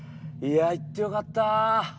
いや行ってよかった。